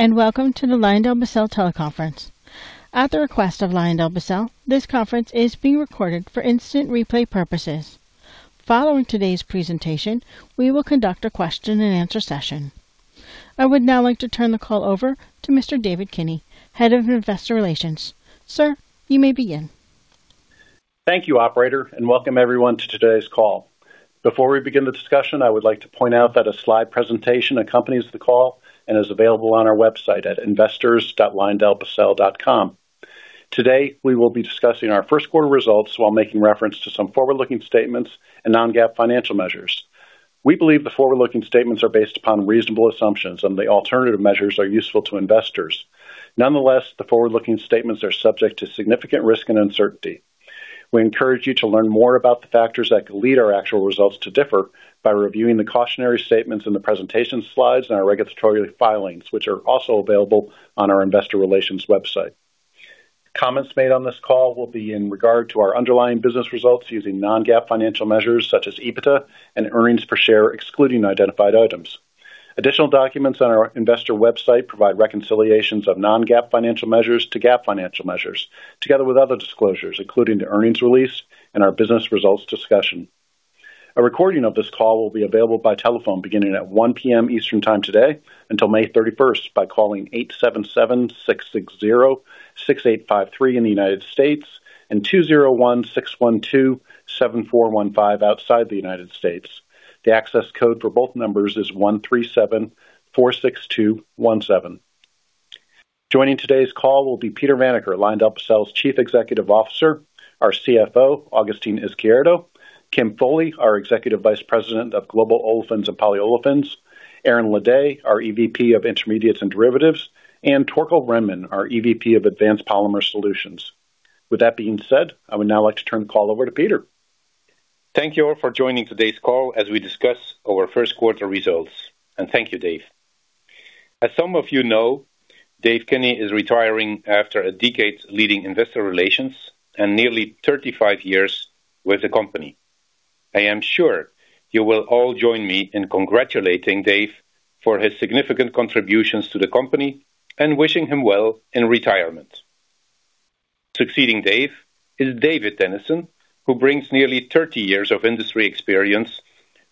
Hello, welcome to the LyondellBasell teleconference. At the request of LyondellBasell, this conference is being recorded for instant replay purposes. Following today's presentation, we will conduct a question-and-answer session. I would now like to turn the call over to Mr. David Kinney, Head of Investor Relations. Sir, you may begin. Thank you, operator, and welcome everyone to today's call. Before we begin the discussion, I would like to point out that a slide presentation accompanies the call and is available on our website at investors.lyondellbasell.com. Today, we will be discussing our first quarter results while making reference to some forward-looking statements and non-GAAP financial measures. We believe the forward-looking statements are based upon reasonable assumptions, and the alternative measures are useful to investors. Nonetheless, the forward-looking statements are subject to significant risk and uncertainty. We encourage you to learn more about the factors that could lead our actual results to differ by reviewing the cautionary statements in the presentation slides and our regulatory filings, which are also available on our investor relations website. Comments made on this call will be in regard to our underlying business results using non-GAAP financial measures such as EBITDA and earnings per share, excluding identified items. Additional documents on our investor website provide reconciliations of non-GAAP financial measures to GAAP financial measures, together with other disclosures, including the earnings release and our business results discussion. A recording of this call will be available by telephone beginning at 1:00 P.M. Eastern Time today until May 31st by calling 877-660-6853 in the United States and 201-612-7415 outside the United States. The access code for both numbers is 13746217. Joining today's call will be Peter Vanacker, LyondellBasell's Chief Executive Officer, our CFO, Agustín Izquierdo, Kimberly Foley, our Executive Vice President of Global Olefins & Polyolefins, Aaron Ledet, our EVP of Intermediates & Derivatives, and Torkel Rhenman, our EVP of Advanced Polymer Solutions. With that being said, I would now like to turn the call over to Peter. Thank you all for joining today's call as we discuss our first quarter results. Thank you, Dave. As some of you know, Dave Kinney is retiring after a decade leading Investor Relations and nearly 35 years with the company. I am sure you will all join me in congratulating Dave for his significant contributions to the company and wishing him well in retirement. Succeeding Dave is David Dennison, who brings nearly 30 years of industry experience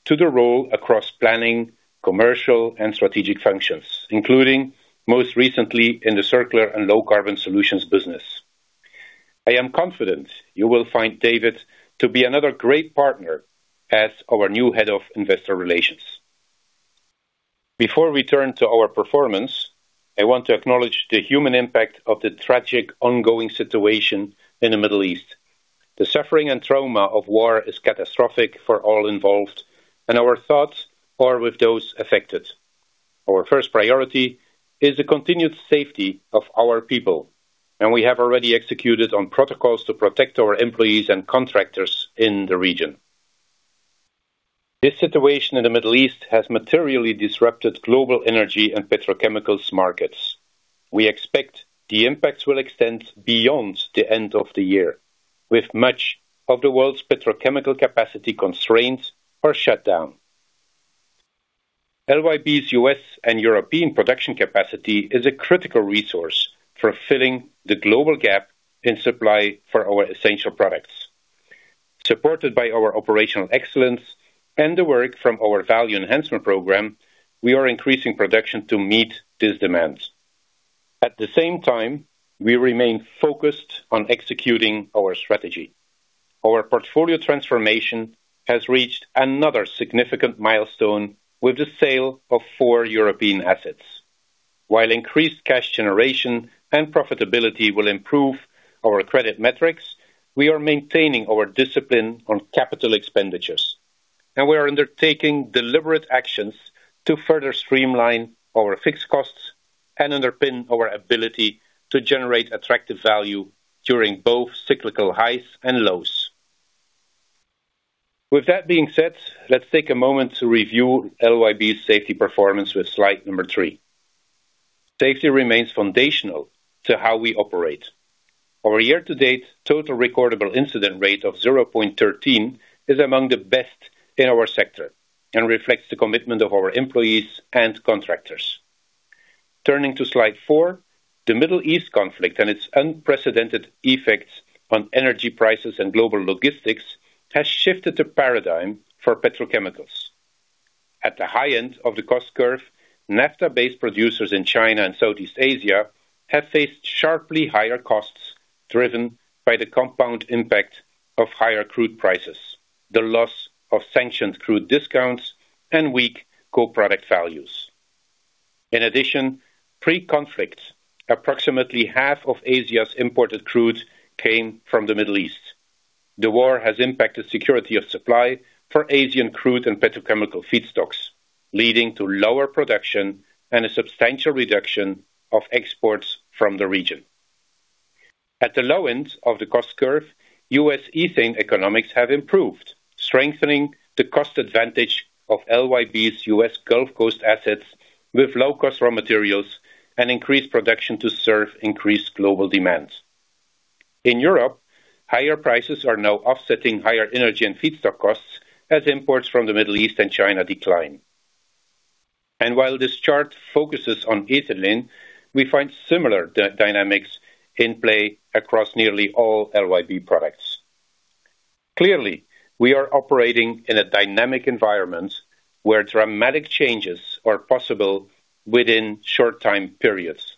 to the role across planning, commercial, and strategic functions, including most recently in the circular and low-carbon solutions business. I am confident you will find David to be another great partner as our new Head of Investor Relations. Before we turn to our performance, I want to acknowledge the human impact of the tragic ongoing situation in the Middle East. The suffering and trauma of war is catastrophic for all involved, and our thoughts are with those affected. Our first priority is the continued safety of our people, and we have already executed on protocols to protect our employees and contractors in the region. This situation in the Middle East has materially disrupted global energy and petrochemicals markets. We expect the impacts will extend beyond the end of the year, with much of the world's petrochemical capacity constraints are shut down. LyondellBasell's U.S. and European production capacity is a critical resource for filling the global gap in supply for our essential products. Supported by our operational excellence and the work from our Value Enhancement Program, we are increasing production to meet these demands. At the same time, we remain focused on executing our strategy. Our portfolio transformation has reached another significant milestone with the sale of four European assets. While increased cash generation and profitability will improve our credit metrics, we are maintaining our discipline on capital expenditures, and we are undertaking deliberate actions to further streamline our fixed costs and underpin our ability to generate attractive value during both cyclical highs and lows. With that being said, let's take a moment to review LYB's safety performance with slide number three. Safety remains foundational to how we operate. Our year-to-date total recordable incident rate of 0.13 is among the best in our sector and reflects the commitment of our employees and contractors. Turning to slide four, the Middle East conflict and its unprecedented effects on energy prices and global logistics has shifted the paradigm for petrochemicals. At the high end of the cost curve, naphtha-based producers in China and Southeast Asia have faced sharply higher costs driven by the compound impact of higher crude prices, the loss of sanctioned crude discounts, and weak co-product values. In addition, pre-conflict, approximately half of Asia's imported crude came from the Middle East. The war has impacted security of supply for Asian crude and petrochemical feedstocks, leading to lower production and a substantial reduction of exports from the region. At the low end of the cost curve, U.S. ethane economics have improved, strengthening the cost advantage of LYB's U.S. Gulf Coast assets with low-cost raw materials and increased production to serve increased global demands. In Europe, higher prices are now offsetting higher energy and feedstock costs as imports from the Middle East and China decline. While this chart focuses on ethylene, we find similar dynamics in play across nearly all LYB products. Clearly, we are operating in a dynamic environment where dramatic changes are possible within short time periods.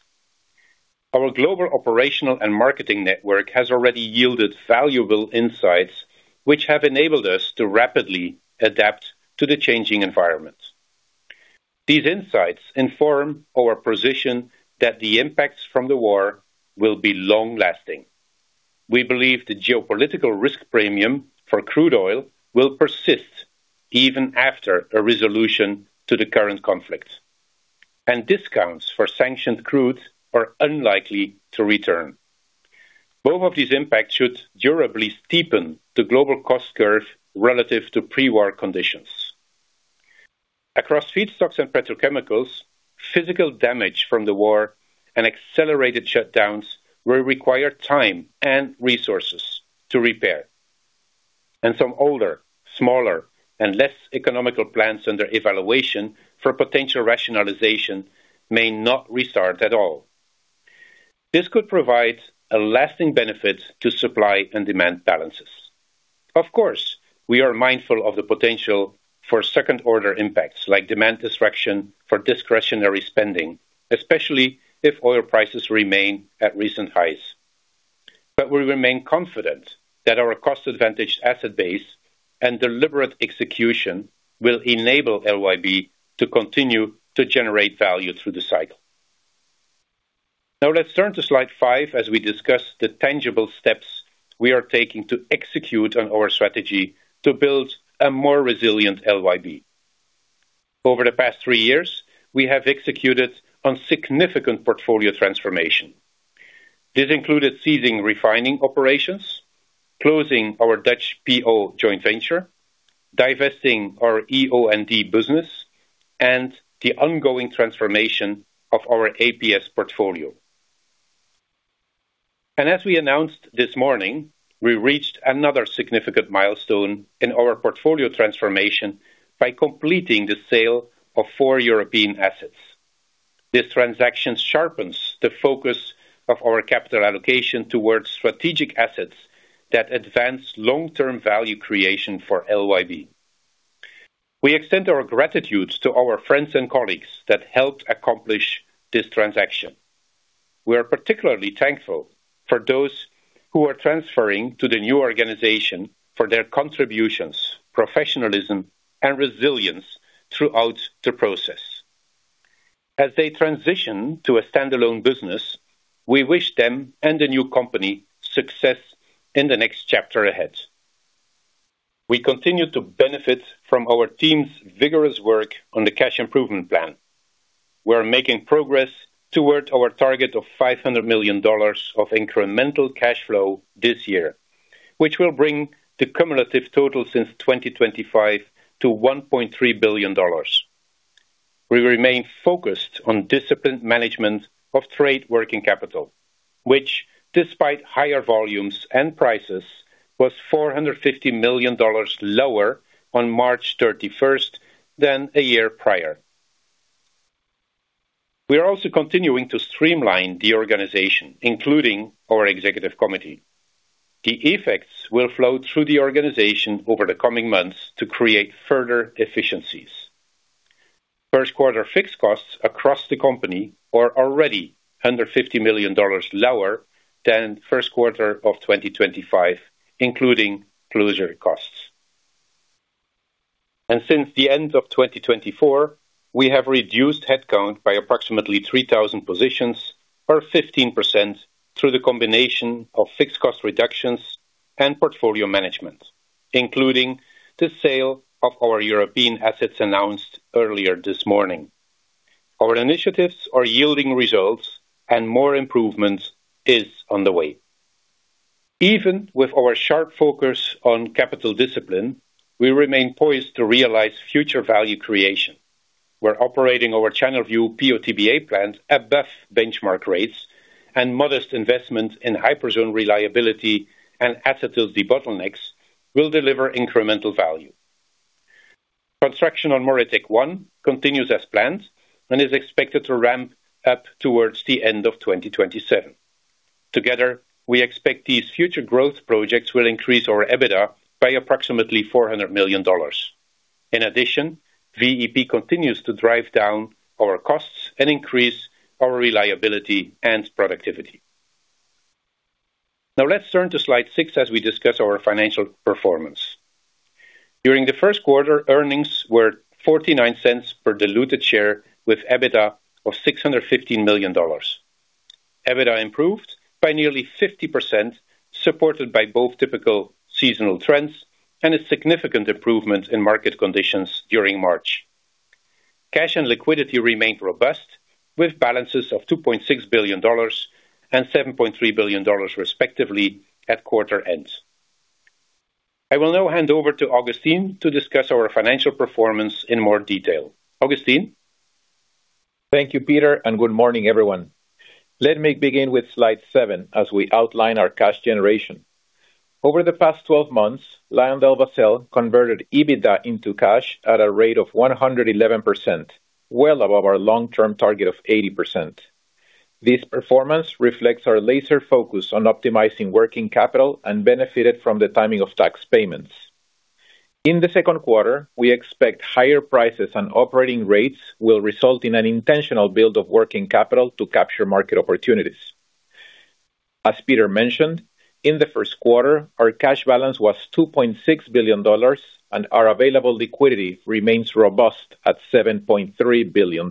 Our global operational and marketing network has already yielded valuable insights, which have enabled us to rapidly adapt to the changing environments. These insights inform our position that the impacts from the war will be long-lasting. We believe the geopolitical risk premium for crude oil will persist even after a resolution to the current conflict, and discounts for sanctioned crudes are unlikely to return. Both of these impacts should durably steepen the global cost curve relative to pre-war conditions. Across feedstocks and petrochemicals, physical damage from the war and accelerated shutdowns will require time and resources to repair. Some older, smaller, and less economical plants under evaluation for potential rationalization may not restart at all. This could provide a lasting benefit to supply and demand balances. Of course, we are mindful of the potential for second-order impacts, like demand destruction for discretionary spending, especially if oil prices remain at recent highs. We remain confident that our cost advantage asset base and deliberate execution will enable LYB to continue to generate value through the cycle. Let's turn to slide five as we discuss the tangible steps we are taking to execute on our strategy to build a more resilient LYB. Over the past three years, we have executed on significant portfolio transformation. This included ceasing refining operations, closing our Dutch PO joint venture, divesting our EO&D business, and the ongoing transformation of our APS portfolio. As we announced this morning, we reached another significant milestone in our portfolio transformation by completing the sale of four European assets. This transaction sharpens the focus of our capital allocation towards strategic assets that advance long-term value creation for LYB. We extend our gratitude to our friends and colleagues that helped accomplish this transaction. We are particularly thankful for those who are transferring to the new organization for their contributions, professionalism, and resilience throughout the process. As they transition to a standalone business, we wish them and the new company success in the next chapter ahead. We continue to benefit from our team's vigorous work on the cash improvement plan. We are making progress toward our target of $500 million of incremental cash flow this year, which will bring the cumulative total since 2025 to $1.3 billion. We remain focused on disciplined management of trade working capital, which despite higher volumes and prices, was $450 million lower on March 31st than a year prior. We are also continuing to streamline the organization, including our executive committee. The effects will flow through the organization over the coming months to create further efficiencies. First quarter fixed costs across the company are already under $50 million lower than first quarter of 2025, including closure costs. Since the end of 2024, we have reduced headcount by approximately 3,000 positions or 15% through the combination of fixed cost reductions and portfolio management, including the sale of our European assets announced earlier this morning. Our initiatives are yielding results and more improvements is on the way. Even with our sharp focus on capital discipline, we remain poised to realize future value creation. We're operating our Channelview PO/TBA plant above benchmark rates and modest investment in Hyperzone reliability and acetyl debottlenecks will deliver incremental value. Construction on MoReTec-1 continues as planned and is expected to ramp up towards the end of 2027. Together, we expect these future growth projects will increase our EBITDA by approximately $400 million. In addition, VEP continues to drive down our costs and increase our reliability and productivity. Now let's turn to slide six as we discuss our financial performance. During the first quarter, earnings were $0.49 per diluted share with EBITDA of $615 million. EBITDA improved by nearly 50%, supported by both typical seasonal trends and a significant improvement in market conditions during March. Cash and liquidity remained robust, with balances of $2.6 billion and $7.3 billion respectively at quarter end. I will now hand over to Agustin to discuss our financial performance in more detail. Agustin? Thank you, Peter, and good morning, everyone. Let me begin with slide seven as we outline our cash generation. Over the past 12 months, LyondellBasell converted EBITDA into cash at a rate of 111%, well above our long-term target of 80%. This performance reflects our laser focus on optimizing working capital and benefited from the timing of tax payments. In the second quarter, we expect higher prices and operating rates will result in an intentional build of working capital to capture market opportunities. As Peter mentioned, in the first quarter, our cash balance was $2.6 billion, and our available liquidity remains robust at $7.3 billion.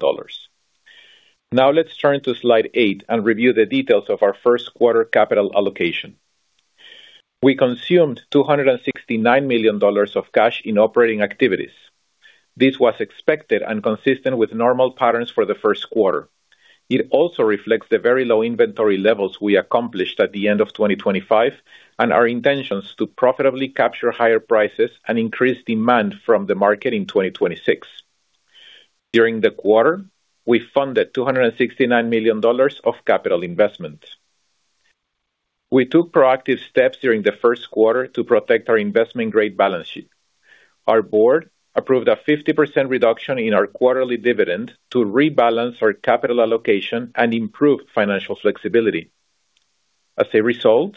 Now let's turn to slide eight and review the details of our first quarter capital allocation. We consumed $269 million of cash in operating activities. This was expected and consistent with normal patterns for the first quarter. It also reflects the very low inventory levels we accomplished at the end of 2025 and our intentions to profitably capture higher prices and increase demand from the market in 2026. During the quarter, we funded $269 million of capital investments. We took proactive steps during the first quarter to protect our investment-grade balance sheet. Our Board approved a 50% reduction in our quarterly dividend to rebalance our capital allocation and improve financial flexibility. As a result,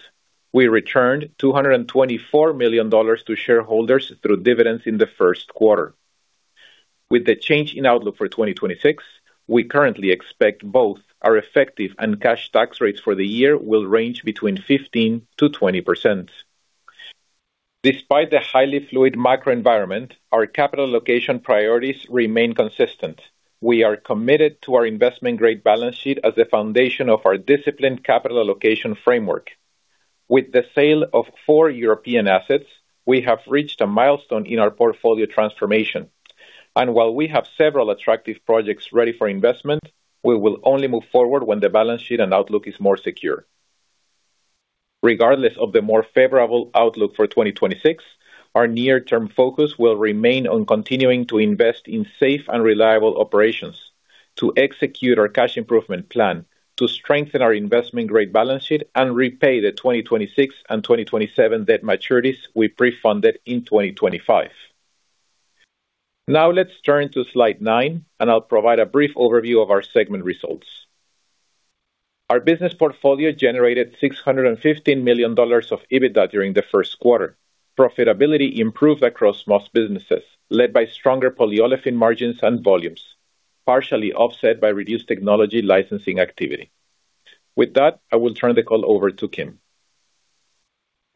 we returned $224 million to shareholders through dividends in the first quarter. With the change in outlook for 2026, we currently expect both our effective and cash tax rates for the year will range between 15%-20%. Despite the highly fluid macro environment, our capital allocation priorities remain consistent. We are committed to our investment-grade balance sheet as a foundation of our disciplined capital allocation framework. With the sale of four European assets, we have reached a milestone in our portfolio transformation, and while we have several attractive projects ready for investment, we will only move forward when the balance sheet and outlook is more secure. Regardless of the more favorable outlook for 2026, our near-term focus will remain on continuing to invest in safe and reliable operations to execute our cash improvement plan, to strengthen our investment-grade balance sheet and repay the 2026 and 2027 debt maturities we pre-funded in 2025. Now let's turn to slide nine, and I'll provide a brief overview of our segment results. Our business portfolio generated $615 million of EBITDA during the first quarter. Profitability improved across most businesses, led by stronger polyolefin margins and volumes, partially offset by reduced technology licensing activity. With that, I will turn the call over to Kim.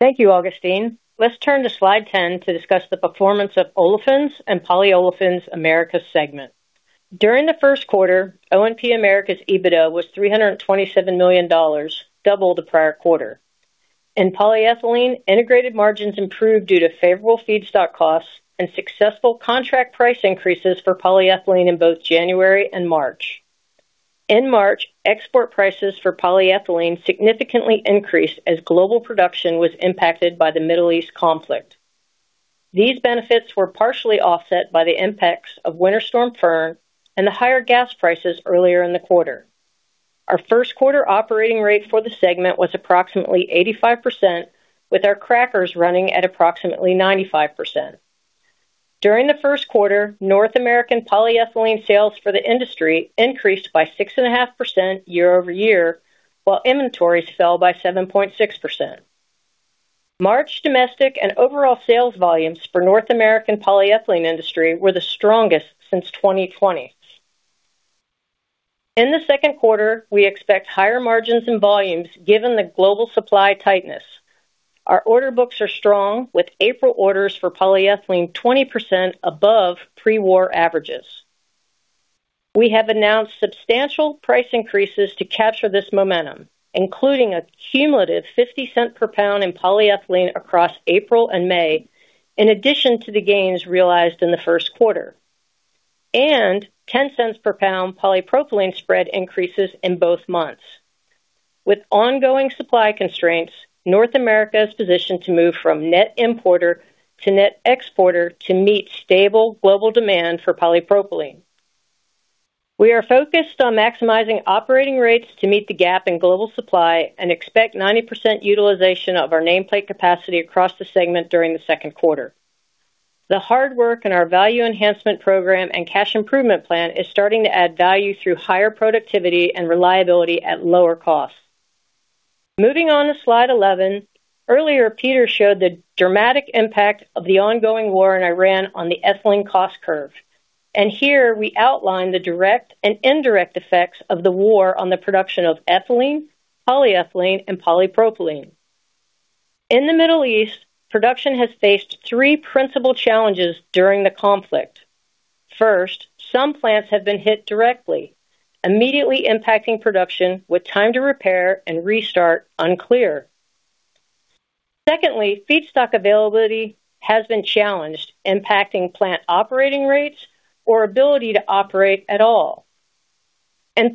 Thank you, Agustín Izquierdo. Let's turn to slide 10 to discuss the performance of Olefins and Polyolefins-Americas segment. During the first quarter, O&P-Americas EBITDA was $327 million, double the prior quarter. In polyethylene, integrated margins improved due to favorable feedstock costs and successful contract price increases for polyethylene in both January and March. In March, export prices for polyethylene significantly increased as global production was impacted by the Middle East conflict. These benefits were partially offset by the impacts of Winter Storm Fern and the higher gas prices earlier in the quarter. Our first quarter operating rate for the segment was approximately 85%, with our crackers running at approximately 95%. During the first quarter, North American polyethylene sales for the industry increased by 6.5% year-over-year, while inventories fell by 7.6%. March domestic and overall sales volumes for North American polyethylene industry were the strongest since 2020. In the second quarter, we expect higher margins and volumes given the global supply tightness. Our order books are strong with April orders for polyethylene 20% above pre-war averages. We have announced substantial price increases to capture this momentum, including a cumulative $0.50 per pound in polyethylene across April and May, in addition to the gains realized in the first quarter, and $0.10 per pound polypropylene spread increases in both months. With ongoing supply constraints, North America is positioned to move from net importer to net exporter to meet stable global demand for polypropylene. We are focused on maximizing operating rates to meet the gap in global supply and expect 90% utilization of our nameplate capacity across the segment during the second quarter. The hard work in our value enhancement program and cash improvement plan is starting to add value through higher productivity and reliability at lower costs. Moving on to slide 11. Earlier, Peter showed the dramatic impact of the ongoing war in Iran on the ethylene cost curve. Here we outline the direct and indirect effects of the war on the production of ethylene, polyethylene, and polypropylene. In the Middle East, production has faced three principal challenges during the conflict. First, some plants have been hit directly, immediately impacting production with time to repair and restart unclear. Secondly, feedstock availability has been challenged, impacting plant operating rates or ability to operate at all.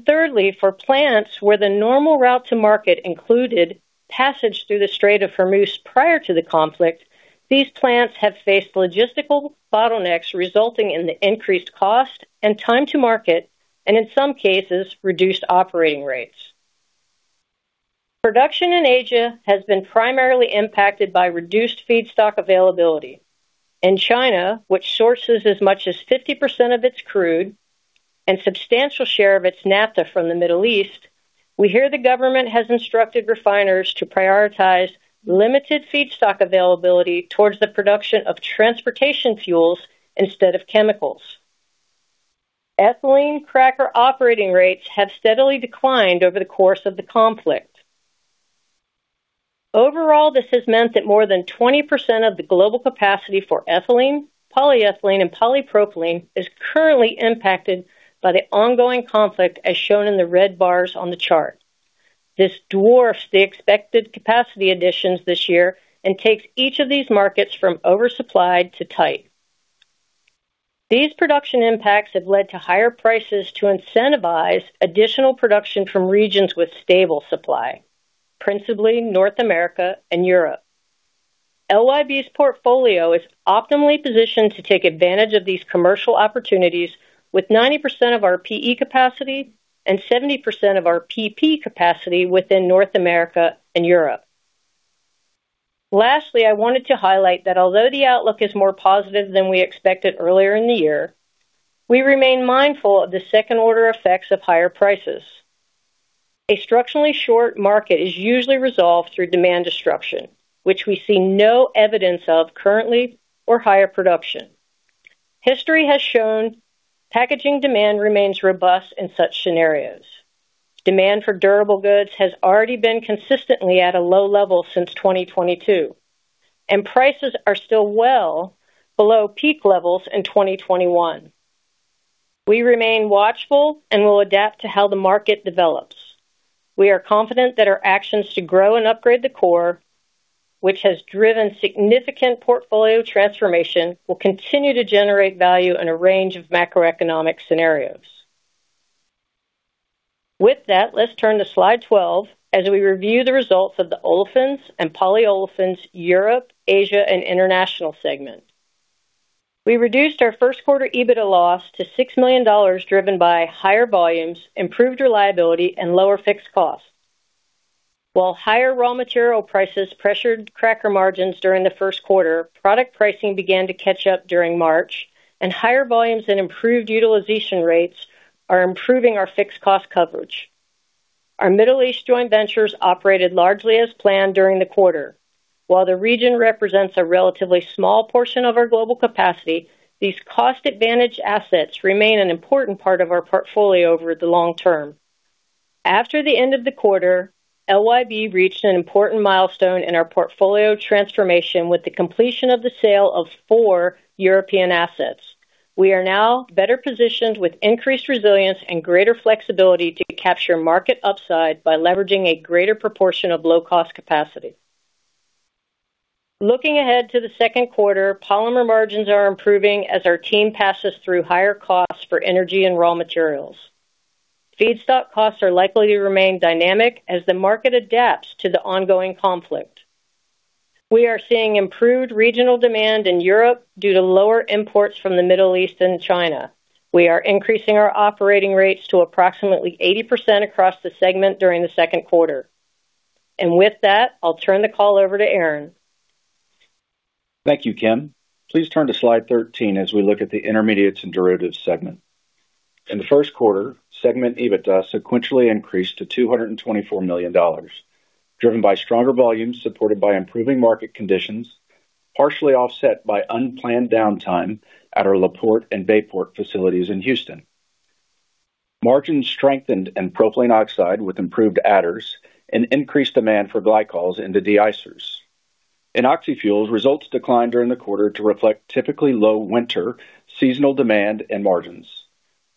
Thirdly, for plants where the normal route to market included passage through the Strait of Hormuz prior to the conflict, these plants have faced logistical bottlenecks resulting in the increased cost and time to market, and in some cases, reduced operating rates. Production in Asia has been primarily impacted by reduced feedstock availability. In China, which sources as much as 50% of its crude and substantial share of its naphtha from the Middle East, we hear the government has instructed refiners to prioritize limited feedstock availability towards the production of transportation fuels instead of chemicals. Ethylene cracker operating rates have steadily declined over the course of the conflict. Overall, this has meant that more than 20% of the global capacity for ethylene, polyethylene, and polypropylene is currently impacted by the ongoing conflict, as shown in the red bars on the chart. This dwarfs the expected capacity additions this year and takes each of these markets from oversupplied to tight. These production impacts have led to higher prices to incentivize additional production from regions with stable supply, principally North America and Europe. LYB's portfolio is optimally positioned to take advantage of these commercial opportunities with 90% of our PE capacity and 70% of our PP capacity within North America and Europe. Lastly, I wanted to highlight that although the outlook is more positive than we expected earlier in the year, we remain mindful of the second-order effects of higher prices. A structurally short market is usually resolved through demand destruction, which we see no evidence of currently or higher production. History has shown packaging demand remains robust in such scenarios. Demand for durable goods has already been consistently at a low level since 2022, and prices are still well below peak levels in 2021. We remain watchful and will adapt to how the market develops. We are confident that our actions to grow and upgrade the core, which has driven significant portfolio transformation, will continue to generate value in a range of macroeconomic scenarios. With that, let's turn to slide 12 as we review the results of the Olefins and Polyolefins-Europe, Asia, International segment. We reduced our first quarter EBITDA loss to $6 million driven by higher volumes, improved reliability, and lower fixed costs. While higher raw material prices pressured cracker margins during the first quarter, product pricing began to catch up during March, and higher volumes and improved utilization rates are improving our fixed cost coverage. Our Middle East joint ventures operated largely as planned during the quarter. While the region represents a relatively small portion of our global capacity, these cost-advantaged assets remain an important part of our portfolio over the long term. After the end of the quarter, LYB reached an important milestone in our portfolio transformation with the completion of the sale of four European assets. We are now better positioned with increased resilience and greater flexibility to capture market upside by leveraging a greater proportion of low-cost capacity. Looking ahead to the second quarter, polymer margins are improving as our team passes through higher costs for energy and raw materials. Feedstock costs are likely to remain dynamic as the market adapts to the ongoing conflict. We are seeing improved regional demand in Europe due to lower imports from the Middle East and China. We are increasing our operating rates to approximately 80% across the segment during the second quarter. With that, I'll turn the call over to Aaron. Thank you, Kim. Please turn to slide 13 as we look at the Intermediates and Derivatives segment. In the 1st quarter, segment EBITDA sequentially increased to $224 million, driven by stronger volumes supported by improving market conditions, partially offset by unplanned downtime at our LaPorte and Bayport facilities in Houston. Margins strengthened in propylene oxide with improved adders and increased demand for glycols into de-icers. In Oxyfuels, results declined during the quarter to reflect typically low winter seasonal demand and margins.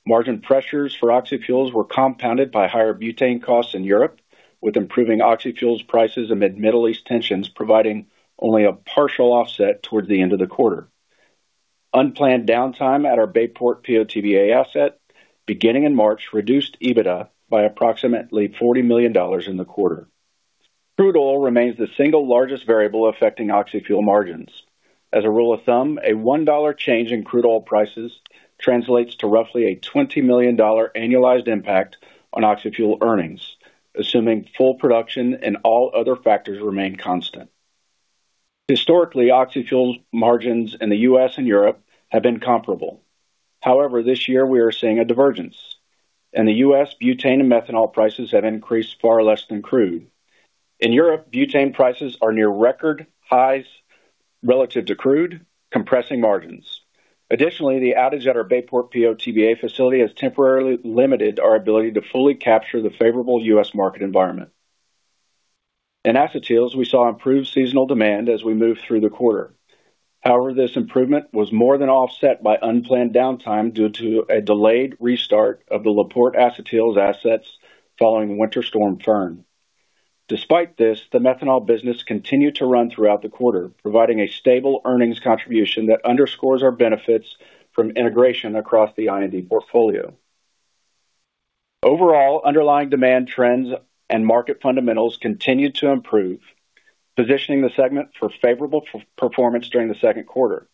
Margin pressures for Oxyfuels were compounded by higher butane costs in Europe, with improving Oxyfuels prices amid Middle East tensions providing only a partial offset towards the end of the quarter. Unplanned downtime at our Bayport PO/TBA asset beginning in March reduced EBITDA by approximately $40 million in the quarter. Crude oil remains the single largest variable affecting Oxyfuels margins. As a rule of thumb, a $1 change in crude oil prices translates to roughly a $20 million annualized impact on Oxyfuels earnings, assuming full production and all other factors remain constant. Historically, Oxyfuels margins in the U.S. and Europe have been comparable. However, this year we are seeing a divergence. In the U.S., butane and methanol prices have increased far less than crude. In Europe, butane prices are near record highs relative to crude, compressing margins. Additionally, the outage at our Bayport PO/TBA facility has temporarily limited our ability to fully capture the favorable U.S. market environment. In Acetyls, we saw improved seasonal demand as we moved through the quarter. However, this improvement was more than offset by unplanned downtime due to a delayed restart of the LaPorte acetyls assets following Winter Storm Fern. Despite this, the methanol business continued to run throughout the quarter, providing a stable earnings contribution that underscores our benefits from integration across the I&D portfolio. Overall, underlying demand trends and market fundamentals continued to improve, positioning the segment for favorable performance during the second quarter.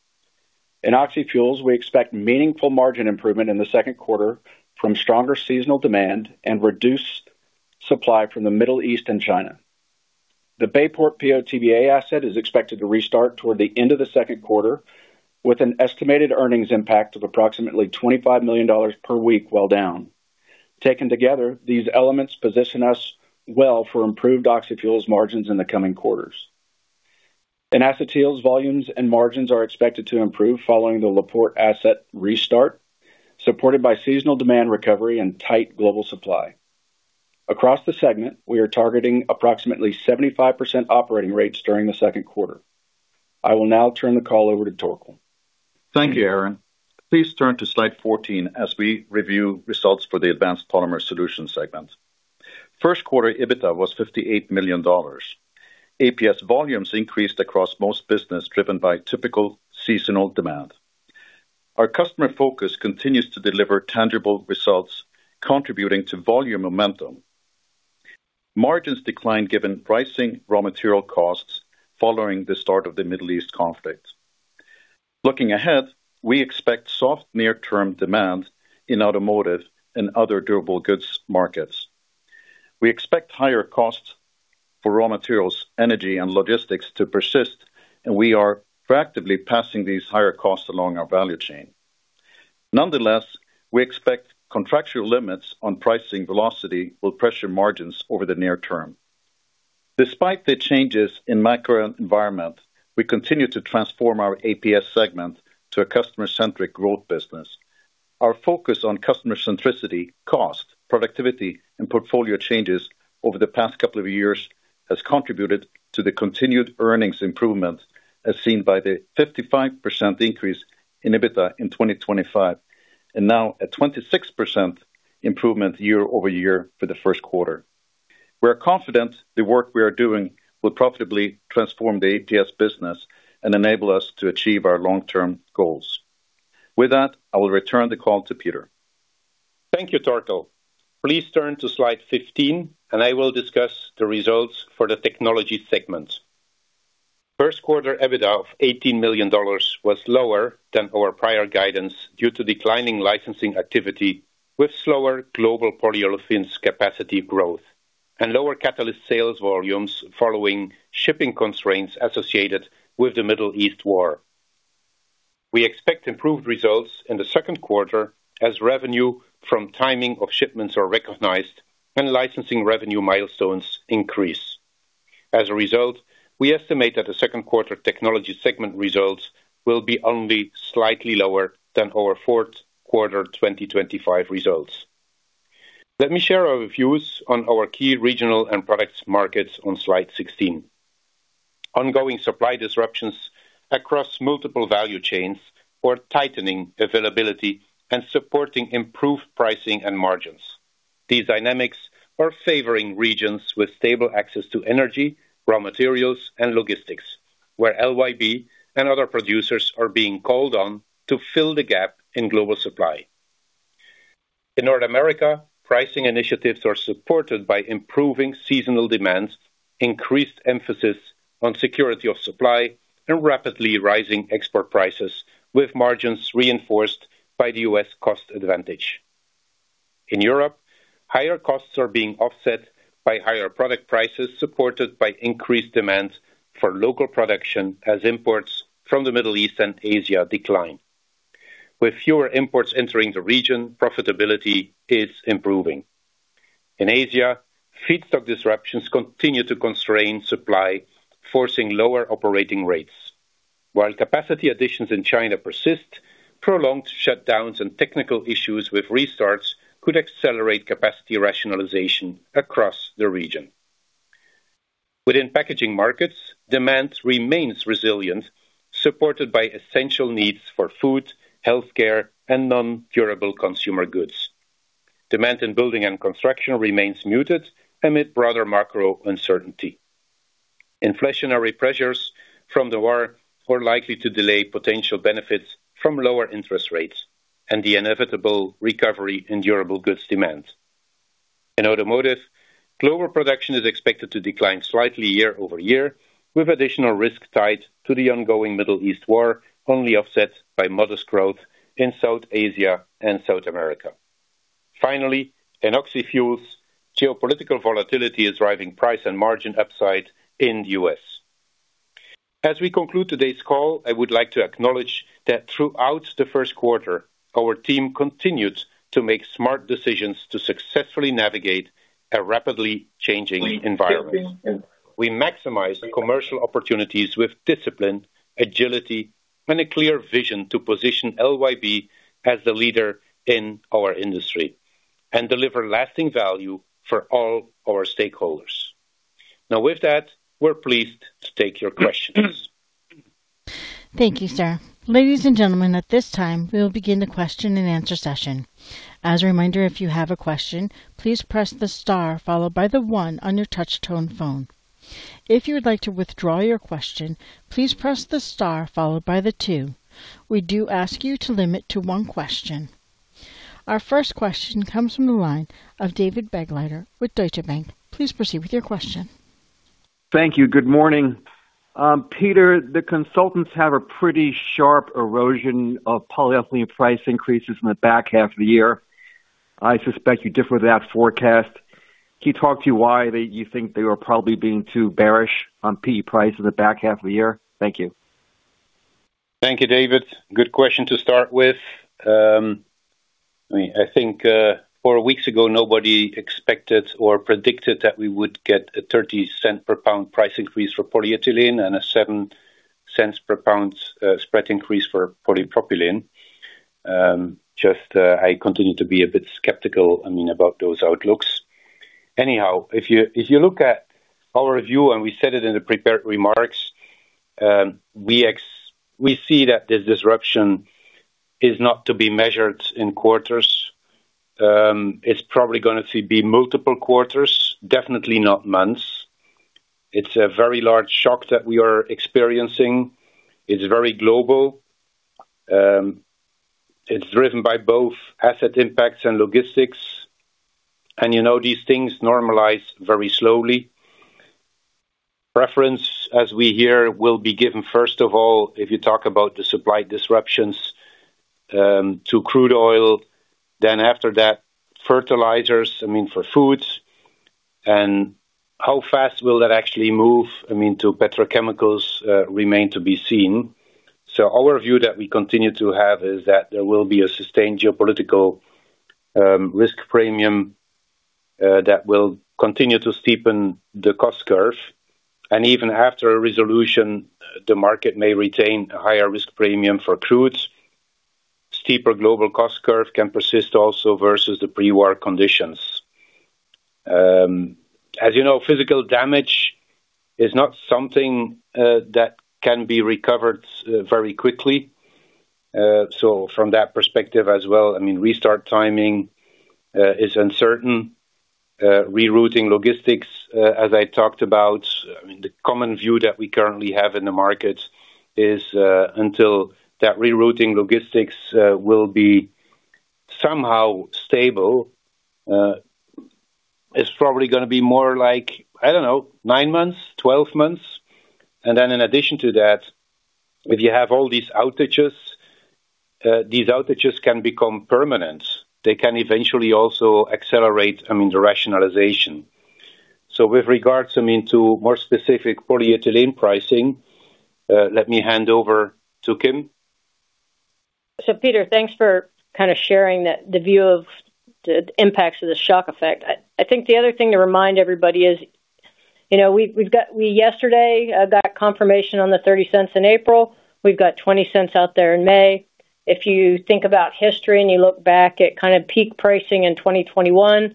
In Oxyfuels, we expect meaningful margin improvement in the second quarter from stronger seasonal demand and reduced supply from the Middle East and China. The Bayport PO/TBA asset is expected to restart toward the end of the second quarter with an estimated earnings impact of approximately $25 million per week while down. Taken together, these elements position us well for improved Oxyfuels margins in the coming quarters. In Acetyls, volumes and margins are expected to improve following the LaPorte asset restart, supported by seasonal demand recovery and tight global supply. Across the segment, we are targeting approximately 75% operating rates during the second quarter. I will now turn the call over to Torkel. Thank you, Aaron. Please turn to slide 14 as we review results for the Advanced Polymer Solutions segment. First quarter EBITDA was $58 million. APS volumes increased across most business driven by typical seasonal demand. Our customer focus continues to deliver tangible results contributing to volume momentum. Margins declined given pricing raw material costs following the start of the Middle East conflict. Looking ahead, we expect soft near term demand in automotive and other durable goods markets. We expect higher costs for raw materials, energy and logistics to persist, and we are proactively passing these higher costs along our value chain. Nonetheless, we expect contractual limits on pricing velocity will pressure margins over the near term. Despite the changes in macro environment, we continue to transform our APS segment to a customer-centric growth business. Our focus on customer centricity, cost, productivity, and portfolio changes over the past couple of years has contributed to the continued earnings improvement as seen by the 55% increase in EBITDA in 2025, and now a 26% improvement year-over-year for the first quarter. We are confident the work we are doing will profitably transform the APS business and enable us to achieve our long-term goals. With that, I will return the call to Peter. Thank you, Torkel. Please turn to slide 15 and I will discuss the results for the technology segment. First quarter EBITDA of $18 million was lower than our prior guidance due to declining licensing activity with slower global polyolefins capacity growth and lower catalyst sales volumes following shipping constraints associated with the Middle East war. We expect improved results in the second quarter as revenue from timing of shipments are recognized and licensing revenue milestones increase. As a result, we estimate that the second quarter technology segment results will be only slightly lower than our fourth quarter 2025 results. Let me share our views on our key regional and products markets on slide 16. Ongoing supply disruptions across multiple value chains are tightening availability and supporting improved pricing and margins. These dynamics are favoring regions with stable access to energy, raw materials and logistics, where LYB and other producers are being called on to fill the gap in global supply. In North America, pricing initiatives are supported by improving seasonal demands, increased emphasis on security of supply, and rapidly rising export prices with margins reinforced by the U.S. cost advantage. In Europe, higher costs are being offset by higher product prices supported by increased demand for local production as imports from the Middle East and Asia decline. With fewer imports entering the region, profitability is improving. In Asia, feedstock disruptions continue to constrain supply, forcing lower operating rates. While capacity additions in China persist, prolonged shutdowns and technical issues with restarts could accelerate capacity rationalization across the region. Within packaging markets, demand remains resilient, supported by essential needs for food, healthcare, and non-durable consumer goods. Demand in building and construction remains muted amid broader macro uncertainty. Inflationary pressures from the war are likely to delay potential benefits from lower interest rates and the inevitable recovery in durable goods demand. In automotive, global production is expected to decline slightly year-over-year, with additional risk tied to the ongoing Middle East war only offset by modest growth in South Asia and South America. Finally, in Oxyfuels, geopolitical volatility is driving price and margin upside in the U.S. As we conclude today's call, I would like to acknowledge that throughout the first quarter, our team continued to make smart decisions to successfully navigate a rapidly changing environment. We maximize commercial opportunities with discipline, agility, and a clear vision to position LYB as the leader in our industry and deliver lasting value for all our stakeholders. Now with that, we're pleased to take your questions. Thank you, sir. Ladies and gentlemen, at this time, we will begin the question-and-answer session. We do ask you to limit to one question. Our first question comes from the line of David Begleiter with Deutsche Bank. Please proceed with your question. Thank you. Good morning. Peter, the consultants have a pretty sharp erosion of polyethylene price increases in the back half of the year. I suspect you differ that forecast. Can you talk to why that you think they were probably being too bearish on PE price in the back half of the year? Thank you. Thank you, David. Good question to start with. I think, four weeks ago nobody expected or predicted that we would get a $0.30 per pound price increase for polyethylene and a $0.07 per pound spread increase for polypropylene. Just, I continue to be a bit skeptical, I mean, about those outlooks. If you, if you look at our review and we said it in the prepared remarks, we see that this disruption is not to be measured in quarters. It's probably gonna to be multiple quarters, definitely not months. It's a very large shock that we are experiencing. It's very global. It's driven by both asset impacts and logistics. You know these things normalize very slowly. Reference, as we hear, will be given first of all, if you talk about the supply disruptions, to crude oil, then after that, fertilizers, I mean, for foods. How fast will that actually move, I mean, to petrochemicals, remain to be seen. Our view that we continue to have is that there will be a sustained geopolitical risk premium that will continue to steepen the cost curve. Even after a resolution, the market may retain a higher risk premium for crudes. Steeper global cost curve can persist also versus the pre-war conditions. As you know, physical damage is not something that can be recovered very quickly. From that perspective as well, I mean, restart timing is uncertain. Rerouting logistics, as I talked about, I mean, the common view that we currently have in the market is, until that rerouting logistics will be somehow stable. is probably gonna be more like, I don't know, nine months, 12 months. In addition to that, if you have all these outages, these outages can become permanent. They can eventually also accelerate, I mean, the rationalization. With regards, I mean, to more specific polyethylene pricing, let me hand over to Kim. Peter, thanks for kind of sharing the view of the impacts of the shock effect. I think the other thing to remind everybody is, you know, we yesterday got confirmation on the $0.30 in April. We've got $0.20 out there in May. If you think about history and you look back at kind of peak pricing in 2021,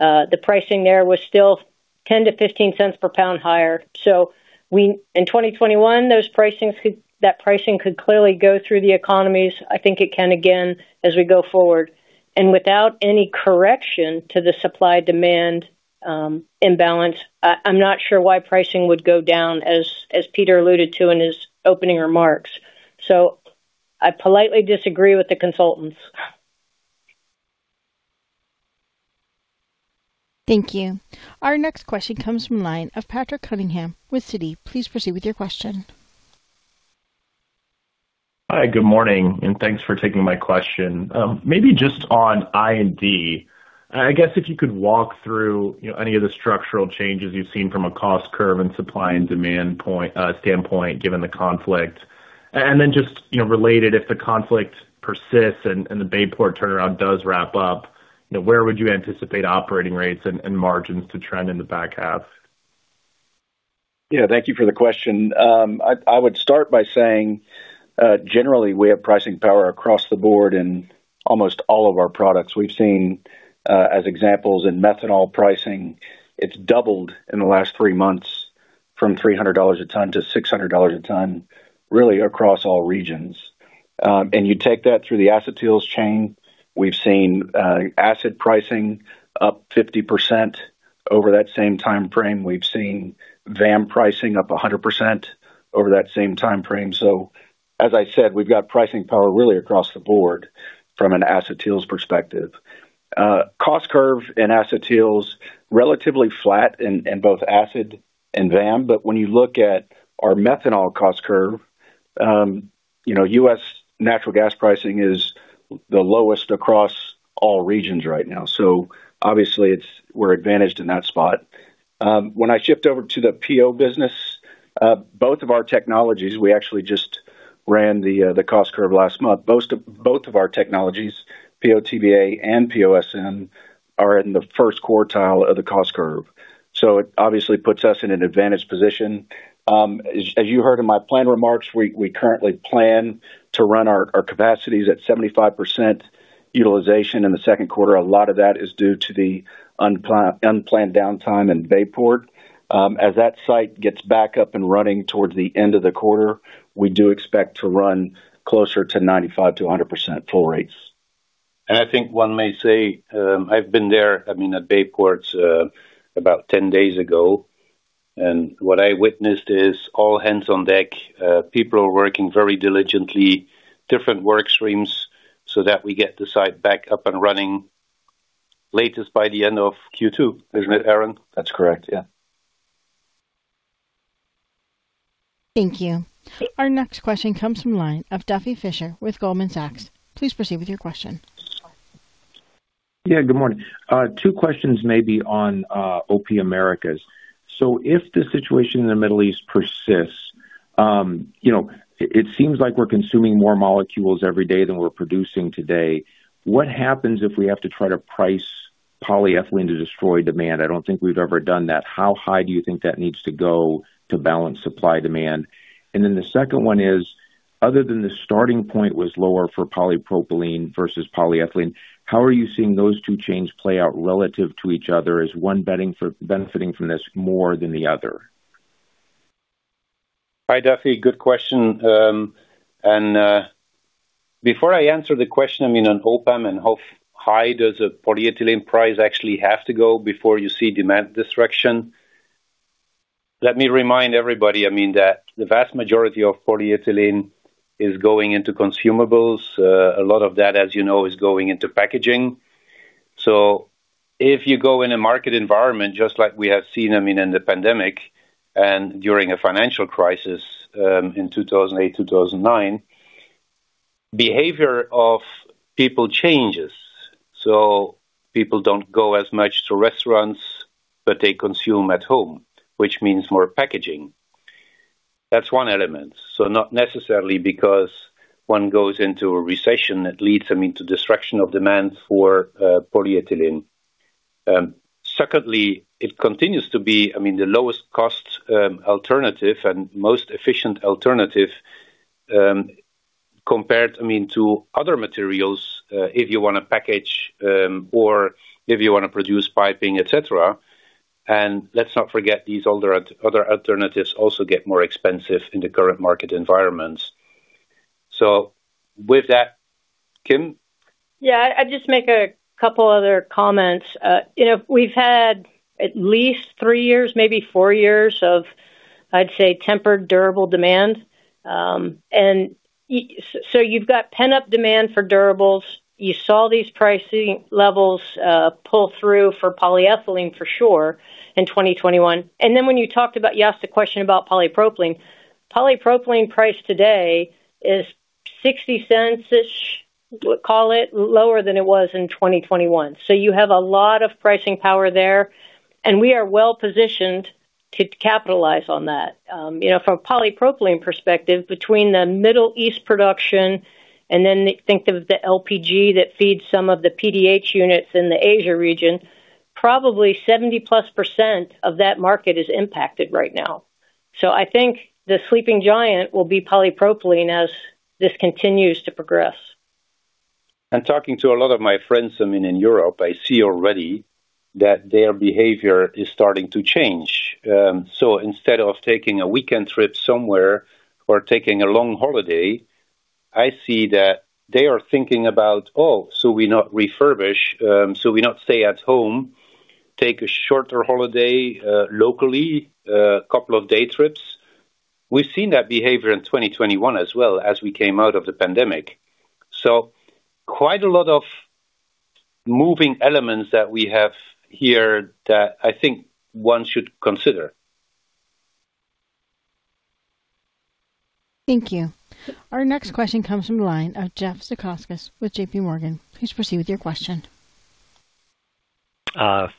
the pricing there was still $0.10-$0.15 per pound higher. We in 2021, that pricing could clearly go through the economies. I think it can again as we go forward. Without any correction to the supply-demand imbalance, I'm not sure why pricing would go down as Peter alluded to in his opening remarks. I politely disagree with the consultants. Thank you. Our next question comes from line of Patrick Cunningham with Citi. Please proceed with your question. Hi, good morning, and thanks for taking my question. Maybe just on I&D. I guess if you could walk through, you know, any of the structural changes you've seen from a cost curve and supply and demand point, standpoint, given the conflict. Then just, you know, related, if the conflict persists and the Bayport turnaround does wrap up, you know, where would you anticipate operating rates and margins to trend in the back half? Yeah. Thank you for the question. I would start by saying, generally we have pricing power across the board in almost all of our products. We've seen, as examples in methanol pricing, it's doubled in the last three months from $300 a ton to $600 a ton, really across all regions. You take that through the acetyls chain. We've seen, acid pricing up 50% over that same timeframe. We've seen VAM pricing up 100% over that same timeframe. As I said, we've got pricing power really across the board from an acetyls perspective. Cost curve and acetyls relatively flat in both acid and VAM. When you look at our methanol cost curve, you know, U.S. natural gas pricing is the lowest across all regions right now. Obviously, we're advantaged in that spot. When I shift over to the PO business, both of our technologies, we actually just ran the cost curve last month. Both of our technologies, PO/TBA and PO/SM, are in the first quartile of the cost curve. It obviously puts us in an advantaged position. As you heard in my plan remarks, we currently plan to run our capacities at 75%. Utilization in the second quarter, a lot of that is due to the unplanned downtime in Bayport. As that site gets back up and running towards the end of the quarter, we do expect to run closer to 95%-100% full rates. I think one may say, I've been there, I mean, at Bayport, about 10 days ago, and what I witnessed is all hands on deck. People are working very diligently, different work streams, so that we get the site back up and running latest by the end of Q2. Isn't it, Aaron? That's correct. Yeah. Thank you. Our next question comes from line of Duffy Fischer with Goldman Sachs. Please proceed with your question. Yeah, good morning. Two questions maybe on O&P-Americas. If the situation in the Middle East persists, you know, it seems like we're consuming more molecules every day than we're producing today. What happens if we have to try to price polyethylene to destroy demand? I don't think we've ever done that. How high do you think that needs to go to balance supply-demand? The second one is, other than the starting point was lower for polypropylene versus polyethylene, how are you seeing those two chains play out relative to each other? Is one benefiting from this more than the other? Hi, Duffy. Good question. Before I answer the question, I mean, on O&P-Americas and how high does a polyethylene price actually have to go before you see demand destruction, let me remind everybody, I mean, that the vast majority of polyethylene is going into consumables. A lot of that, as you know, is going into packaging. If you go in a market environment, just like we have seen, I mean, in the pandemic and during a financial crisis, in 2008, 2009, behavior of people changes. People don't go as much to restaurants, but they consume at home, which means more packaging. That's one element. Not necessarily because one goes into a recession that leads, I mean, to destruction of demand for polyethylene. Secondly, it continues to be, I mean, the lowest cost, alternative and most efficient alternative, compared, I mean, to other materials, if you wanna package, or if you wanna produce piping, et cetera. Let's not forget these other alternatives also get more expensive in the current market environments. With that, Kim? Yeah, I'd just make a couple other comments. You know, we've had at least three years, maybe four years of, I'd say, tempered durable demand. You've got pent-up demand for durables. You saw these pricing levels pull through for polyethylene for sure in 2021. You asked a question about polypropylene. Polypropylene price today is $0.60-ish, we'll call it, lower than it was in 2021. You have a lot of pricing power there, and we are well-positioned to capitalize on that. You know, from a polypropylene perspective, between the Middle East production and then think of the LPG that feeds some of the PDH units in the Asia region, probably 70%+ of that market is impacted right now. I think the sleeping giant will be polypropylene as this continues to progress. Talking to a lot of my friends, I mean, in Europe, I see already that their behavior is starting to change. Instead of taking a weekend trip somewhere or taking a long holiday, I see that they are thinking about, "We not refurbish, we not stay at home, take a shorter holiday, locally, two day trips." We've seen that behavior in 2021 as well as we came out of the pandemic. Quite a lot of moving elements that we have here that I think one should consider. Thank you. Our next question comes from the line of Jeff Zekauskas with JPMorgan. Please proceed with your question.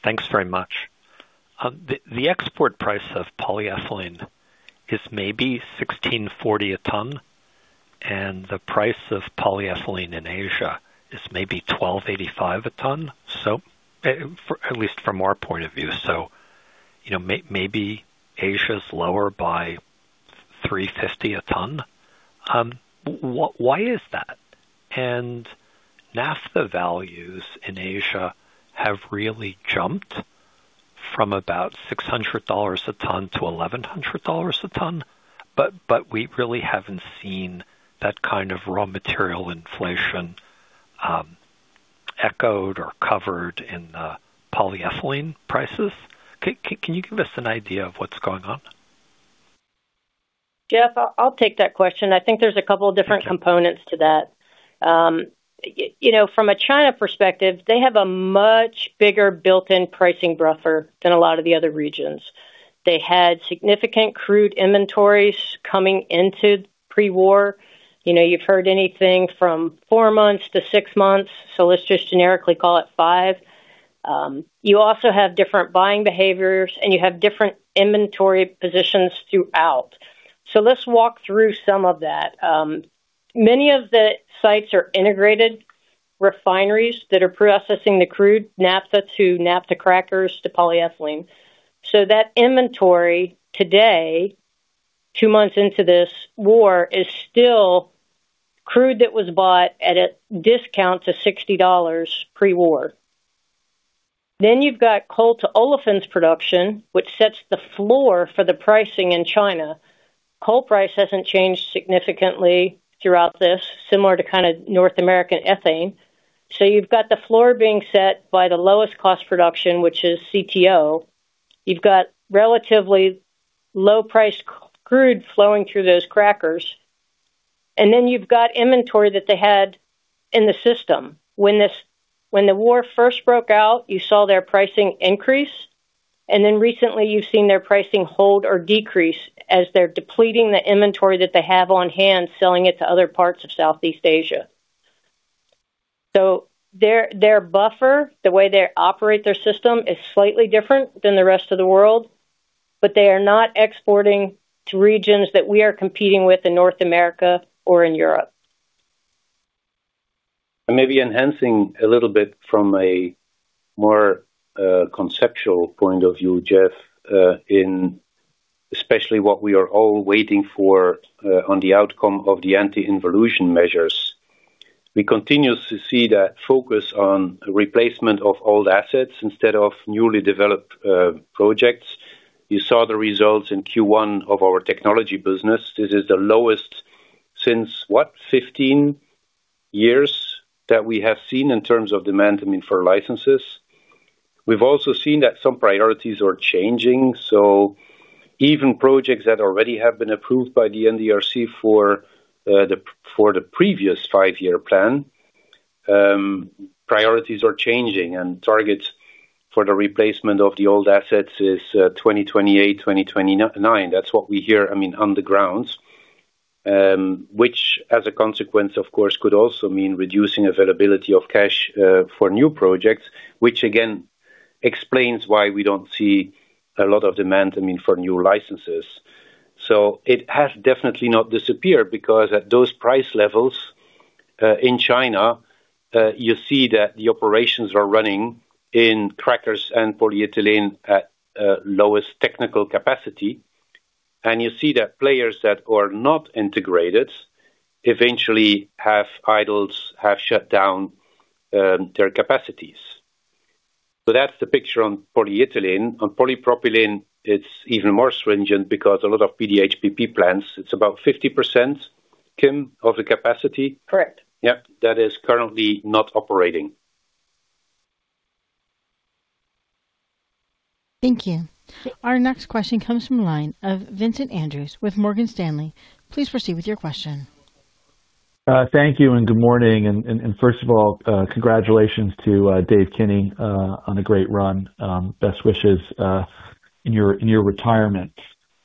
Thanks very much. The export price of polyethylene is maybe $1,640 a ton, and the price of polyethylene in Asia is maybe $1,285 a ton. For at least from our point of view, you know, maybe Asia is lower by $350 a ton. Why is that? Naphtha values in Asia have really jumped from about $600 a ton to $1,100 a ton, we really haven't seen that kind of raw material inflation, echoed or covered in the polyethylene prices. Can you give us an idea of what's going on? Jeff, I'll take that question. I think there's a couple of different components to that. You know, from a China perspective, they have a much bigger built-in pricing buffer than a lot of the other regions. They had significant crude inventories coming into pre-war. You know, you've heard anything from 4 months-6 months, so let's just generically call it five. You also have different buying behaviors, you have different inventory positions throughout. Let's walk through some of that. Many of the sites are integrated refineries that are processing the crude naphtha to naphtha crackers to polyethylene. That inventory today, two months into this war, is still crude that was bought at a discount to $60 pre-war. You've got coal to olefins production, which sets the floor for the pricing in China. Coal price hasn't changed significantly throughout this, similar to kind of North American ethane. You've got the floor being set by the lowest cost production, which is CTO. You've got relatively low priced crude flowing through those crackers. You've got inventory that they had in the system. When the war first broke out, you saw their pricing increase, recently you've seen their pricing hold or decrease as they're depleting the inventory that they have on hand, selling it to other parts of Southeast Asia. Their buffer, the way they operate their system, is slightly different than the rest of the world, but they are not exporting to regions that we are competing with in North America or in Europe. Maybe enhancing a little bit from a more conceptual point of view, Jeff, in especially what we are all waiting for on the outcome of the anti-involution measures. We continue to see that focus on replacement of old assets instead of newly developed projects. You saw the results in Q1 of our technology business. This is the lowest since, what, 15 years that we have seen in terms of demand, I mean, for licenses. We've also seen that some priorities are changing. Even projects that already have been approved by the NDRC for the, for the previous five-year plan, priorities are changing and targets for the replacement of the old assets is 2028, 2029. That's what we hear, I mean, on the ground. Which as a consequence, of course, could also mean reducing availability of cash for new projects, which again, explains why we don't see a lot of demand, I mean, for new licenses. It has definitely not disappeared because at those price levels in China, you see that the operations are running in crackers and polyethylene at lowest technical capacity. You see that players that are not integrated eventually have idled, have shut down their capacities. That's the picture on polyethylene. On polypropylene, it's even more stringent because a lot of PDH-PP plants, it's about 50%, Kim, of the capacity? Correct. Yeah. That is currently not operating. Thank you. Our next question comes from line of Vincent Andrews with Morgan Stanley. Please proceed with your question. Thank you and good morning. First of all, congratulations to Dave Kinney on a great run. Best wishes in your retirement.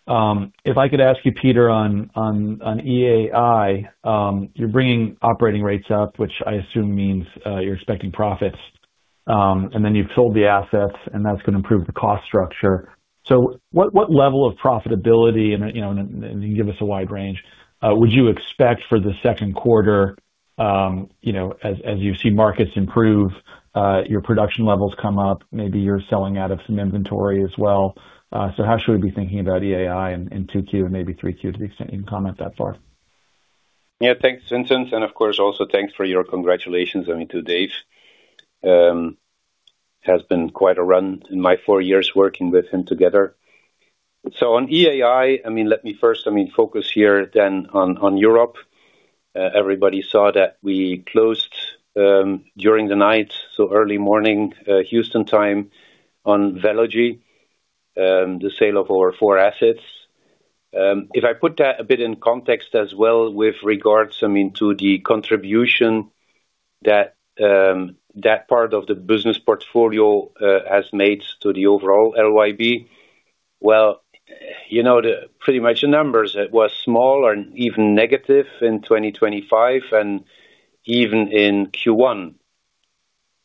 If I could ask you, Peter, on O&P-EAI, you're bringing operating rates up, which I assume means you're expecting profits. You've sold the assets, and that's gonna improve the cost structure. What level of profitability and, you know, and give us a wide range, would you expect for the second quarter, you know, as you see markets improve, your production levels come up, maybe you're selling out of some inventory as well. How should we be thinking about O&P-EAI in 2Q and maybe 3Q to the extent you can comment that far? Yeah. Thanks, Vincent. Of course, also thanks for your congratulations, I mean, to Dave. Has been quite a run in my four years working with him together. On EAI, I mean, let me first, I mean, focus here then on Europe. Everybody saw that we closed during the night, so early morning, Houston time on Velogy, the sale of our four assets. If I put that a bit in context as well with regards, I mean, to the contribution that part of the business portfolio has made to the overall LYB. Well, you know, the pretty much the numbers. It was small or even negative in 2025 and even in Q1.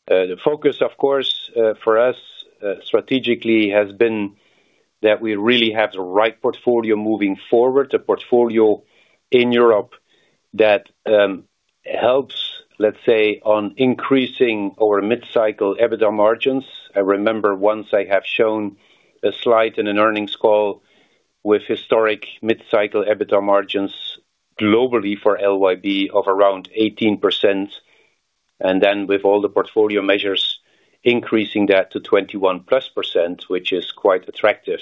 The focus, of course, for us, strategically has been that we really have the right portfolio moving forward. The portfolio in Europe that helps, let's say, on increasing our mid-cycle EBITDA margins. I remember once I have shown a slide in an earnings call with historic mid-cycle EBITDA margins globally for LYB of around 18%, and then with all the portfolio measures, increasing that to 21%+, which is quite attractive.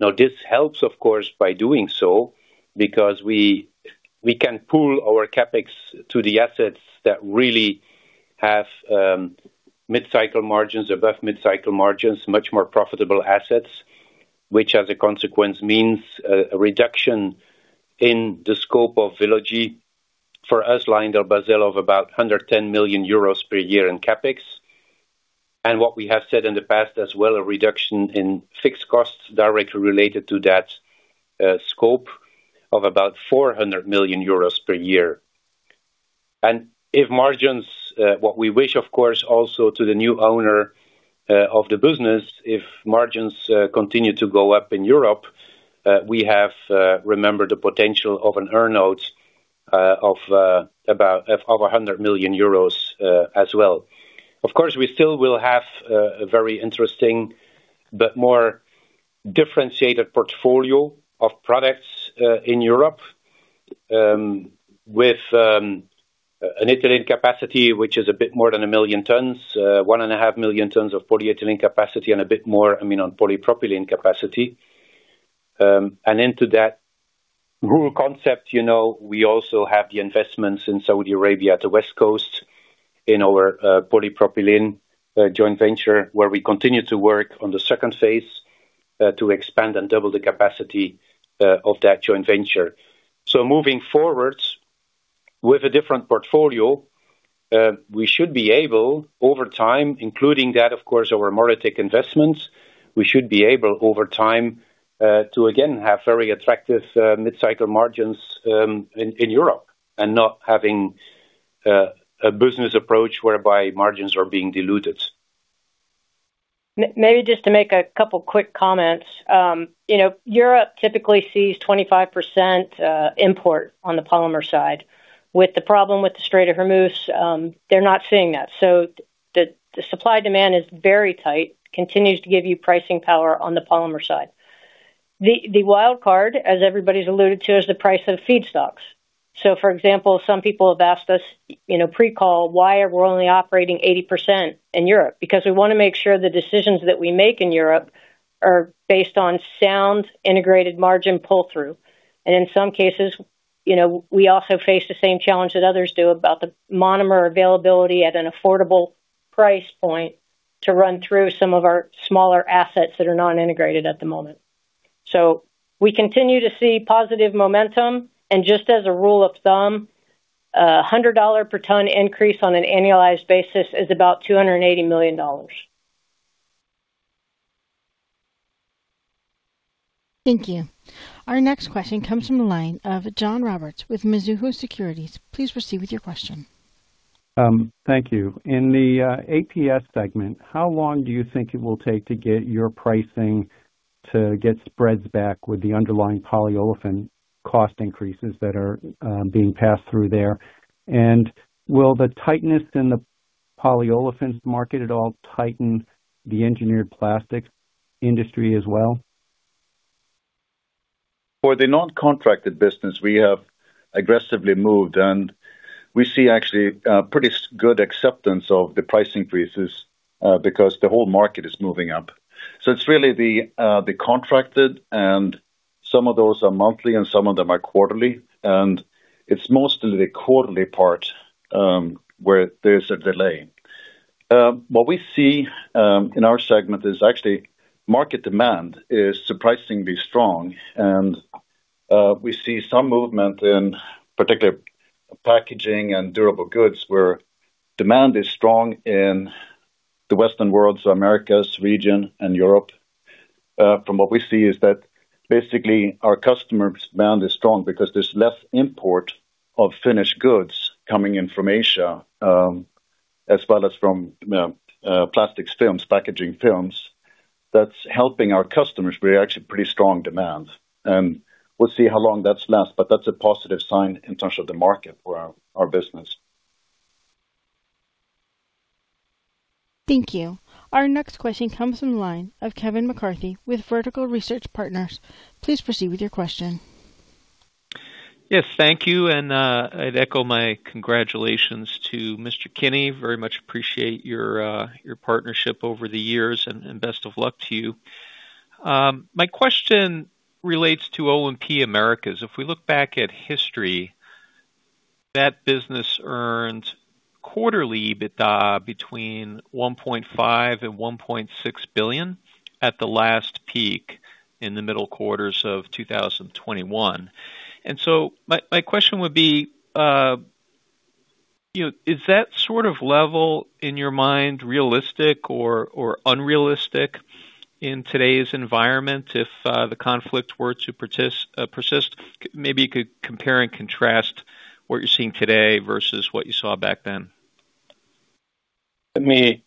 Now, this helps, of course, by doing so because we can pool our CapEx to the assets that really have mid-cycle margins, above mid-cycle margins, much more profitable assets, which as a consequence means a reduction in the scope of Velogy for us, LyondellBasell, of about 110 million euros per year in CapEx. What we have said in the past as well, a reduction in fixed costs directly related to that scope of about 400 million euros per year. If margins, what we wish, of course, also to the new owner of the business, if margins continue to go up in Europe, we have, remember the potential of an earn-out of about 100 million euros as well. Of course, we still will have a very interesting but more differentiated portfolio of products in Europe, with an ethylene capacity which is a bit more than 1 million tons, 1.5 million tons of polyethylene capacity and a bit more, I mean, on polypropylene capacity. And into that rural concept, you know, we also have the investments in Saudi Arabia at the West Coast in our polypropylene joint venture, where we continue to work on the second phase to expand and double the capacity of that joint venture. Moving forward with a different portfolio, we should be able over time, including that, of course, our MoReTec investments, we should be able, over time, to again have very attractive mid-cycle margins in Europe and not having a business approach whereby margins are being diluted. Maybe just to make a couple quick comments. You know, Europe typically sees 25% import on the polymer side. With the problem with the Strait of Hormuz, they're not seeing that. The supply-demand is very tight, continues to give you pricing power on the polymer side. The wild card, as everybody's alluded to, is the price of feedstocks. For example, some people have asked us, you know, pre-call, why are we only operating 80% in Europe? Because we wanna make sure the decisions that we make in Europe are based on sound integrated margin pull-through. In some cases, you know, we also face the same challenge that others do about the monomer availability at an affordable price point to run through some of our smaller assets that are non-integrated at the moment. We continue to see positive momentum. Just as a rule of thumb, a $100 per ton increase on an annualized basis is about $280 million. Thank you. Our next question comes from the line of John Roberts with Mizuho Securities. Please proceed with your question. Thank you. In the APS segment, how long do you think it will take to get your pricing to get spreads back with the underlying polyolefin cost increases that are being passed through there? Will the tightness in the polyolefins market at all tighten the engineered plastics industry as well? For the non-contracted business, we have aggressively moved, and we see actually, pretty good acceptance of the price increases, because the whole market is moving up. It's really the contracted, and some of those are monthly, and some of them are quarterly. It's mostly the quarterly part, where there's a delay. What we see, in our segment is actually market demand is surprisingly strong, and we see some movement in particular packaging and durable goods where demand is strong in the Western world, so Americas region and Europe. From what we see is that basically our customer demand is strong because there's less import of finished goods coming in from Asia, as well as from, plastics films, packaging films. That's helping our customers with actually pretty strong demand. We'll see how long that lasts, but that's a positive sign in terms of the market for our business. Thank you. Our next question comes from the line of Kevin McCarthy with Vertical Research Partners. Please proceed with your question. Yes, thank you. I'd echo my congratulations to Mr. Kinney. Very much appreciate your partnership over the years and best of luck to you. My question relates to O&P-Americas. If we look back at history, that business earned quarterly EBITDA between $1.5 billion and $1.6 billion at the last peak in the middle quarters of 2021. My question would be, you know, is that sort of level in your mind realistic or unrealistic in today's environment if the conflict were to persist? Maybe you could compare and contrast what you're seeing today versus what you saw back then. Let me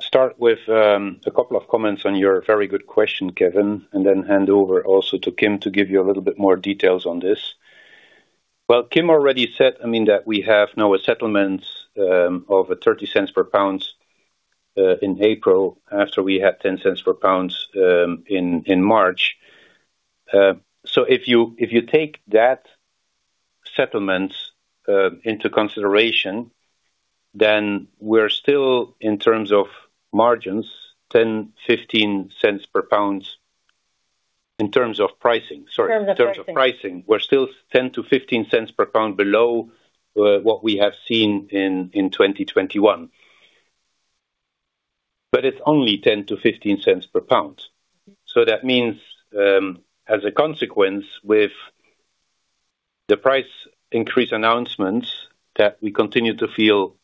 start with a couple of comments on your very good question, Kevin, and then hand over also to Kim to give you a little bit more details on this. Well, Kim already said, I mean, that we have now a settlement of a $0.30 per pound in April after we had $0.10 per pound in March. If you take that settlement into consideration, then we're still, in terms of margins, $0.10-$0.15 per pound in terms of pricing. Sorry. In terms of pricing. In terms of pricing. We're still $0.10-$0.15 per pound below what we have seen in 2021. It's only $0.10-$0.15 per pound. That means, as a consequence with the price increase announcements that we continue to feel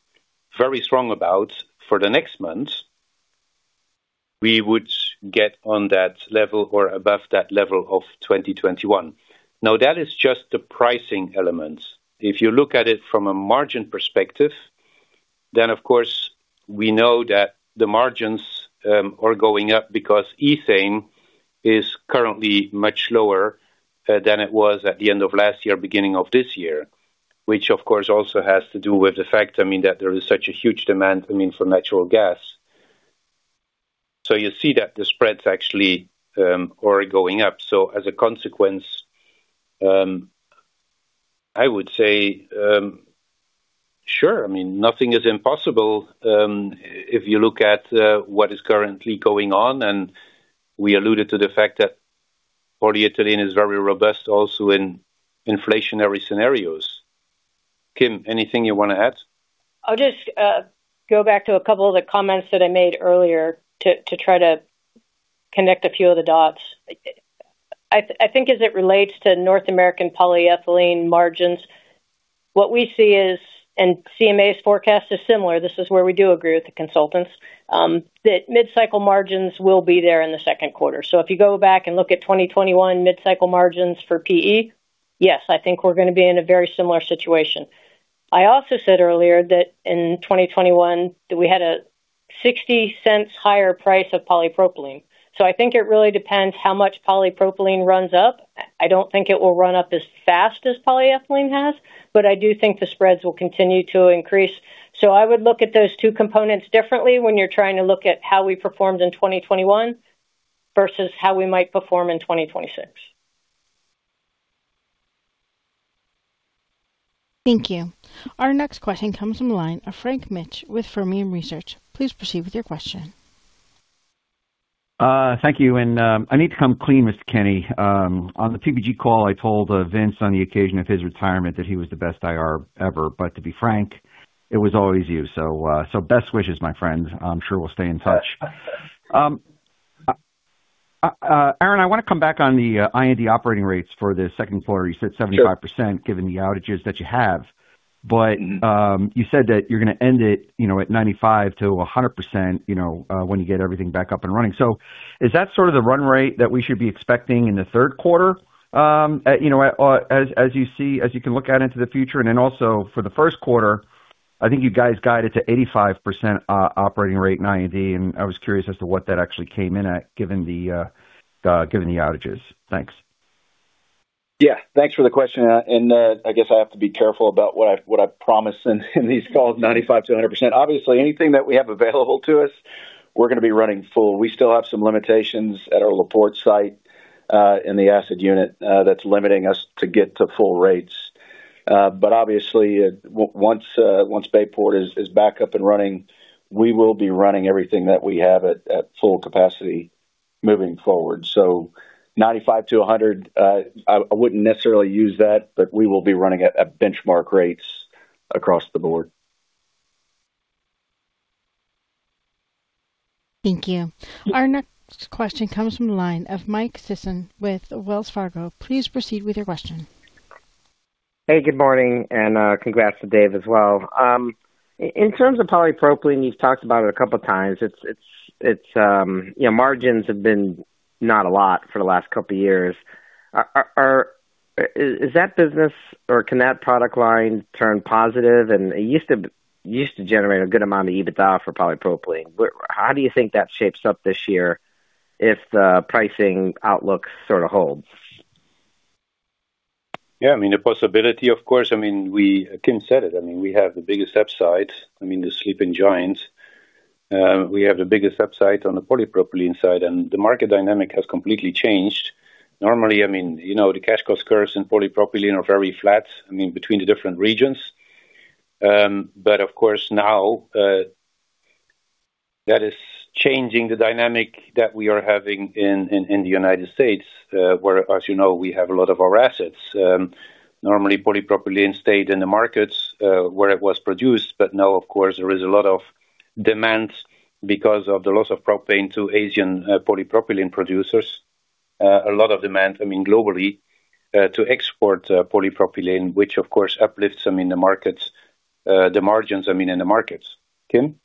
very strong about for the next month, we would get on that level or above that level of 2021. That is just the pricing element. If you look at it from a margin perspective, of course, we know that the margins are going up because ethane is currently much lower than it was at the end of last year, beginning of this year, which of course also has to do with the fact, I mean, that there is such a huge demand, I mean, for natural gas. You see that the spreads actually are going up. As a consequence, I would say, sure. I mean, nothing is impossible, if you look at what is currently going on, and we alluded to the fact that polyethylene is very robust also in inflationary scenarios. Kim, anything you wanna add? I'll just go back to a couple of the comments that I made earlier to try to connect a few of the dots. I think as it relates to North American polyethylene margins, what we see is, and CMA's forecast is similar, this is where we do agree with the consultants, that mid-cycle margins will be there in the second quarter. If you go back and look at 2021 mid-cycle margins for PE, yes, I think we're gonna be in a very similar situation. I also said earlier that in 2021 that we had a $0.60 higher price of polypropylene. I think it really depends how much polypropylene runs up. I don't think it will run up as fast as polyethylene has, but I do think the spreads will continue to increase. I would look at those two components differently when you're trying to look at how we performed in 2021 versus how we might perform in 2026. Thank you. Our next question comes from the line of Frank Mitsch with Fermium Research. Please proceed with your question. Thank you, and I need to come clean, Mr. Kinney. On the PPG call, I told Vince on the occasion of his retirement that he was the best IR ever. To be frank, it was always you. Best wishes, my friend. I'm sure we'll stay in touch. Aaron, I wanna come back on the I&D operating rates for the second quarter. You said 75%. Sure. given the outages that you have. You said that you're gonna end it, you know, at 95%-100%, you know, when you get everything back up and running. Is that sort of the run rate that we should be expecting in the third quarter? At, you know, as you see, as you can look out into the future? And then also for the first quarter, I think you guys guided to 85% operating rate in I&D, and I was curious as to what that actually came in at, given the outages. Thanks. Yeah. Thanks for the question. I guess I have to be careful about what I, what I promise in these calls, 95%-100%. Obviously, anything that we have available to us, we're gonna be running full. We still have some limitations at our LaPorte site in the asset unit that's limiting us to get to full rates. Obviously, once Bayport is back up and running, we will be running everything that we have at full capacity moving forward. 95%-100%, I wouldn't necessarily use that, but we will be running at benchmark rates across the board. Thank you. Our next question comes from the line of Mike Sison with Wells Fargo. Please proceed with your question. Hey, good morning, and congrats to Dave as well. In terms of polypropylene, you've talked about it a couple times. It's, you know, margins have been not a lot for the last couple years. Are, is that business or can that product line turn positive? It used to generate a good amount of EBITDA for polypropylene. How do you think that shapes up this year if the pricing outlook sort of holds? Yeah. I mean, the possibility, of course, I mean, Kim said it. I mean, we have the biggest upside, I mean, the sleeping giants. We have the biggest upside on the polypropylene side, and the market dynamic has completely changed. Normally, I mean, you know, the cash cost curves in polypropylene are very flat, I mean, between the different regions. Of course, now, that is changing the dynamic that we are having in the United States, where, as you know, we have a lot of our assets. Normally, polypropylene stayed in the markets where it was produced. Now, of course, there is a lot of demand because of the loss of propane to Asian polypropylene producers. A lot of demand, I mean, globally, to export, polypropylene, which of course uplifts, I mean, the markets, the margins, I mean, in the markets. Kim?